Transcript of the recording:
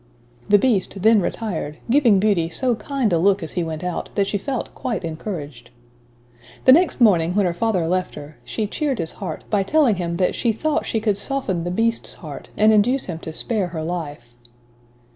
The Beast then retired, giving Beauty so kind a look as he went out, that she felt quite encouraged. The next morning, when her father left her, she cheered his heart by telling him that she thought she could soften the Beast's heart, and induce him to spare her life.